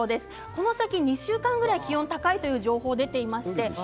この先、１週間の気温が高いという情報が出ています。